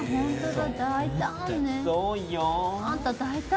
そうよ。